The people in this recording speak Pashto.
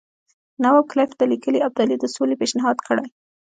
نواب کلایف ته لیکلي ابدالي د سولې پېشنهاد کړی.